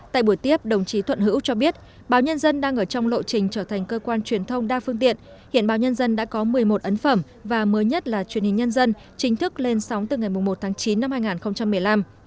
tại buổi tiếp đồng chí thuận hữu cho biết báo nhân dân đang ở trong lộ trình trở thành cơ quan truyền thông đa phương tiện hiện báo nhân dân đã có một mươi một ấn phẩm và mới nhất là truyền hình nhân dân chính thức lên sóng từ ngày một tháng chín năm hai nghìn một mươi năm